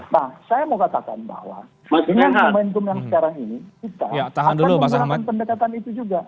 nah saya mau katakan bahwa dengan momentum yang sekarang ini kita akan menggunakan pendekatan itu juga